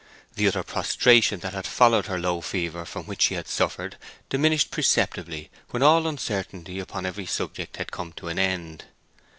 The utter prostration that had followed the low fever from which she had suffered diminished perceptibly when all uncertainty upon every subject had come to an end.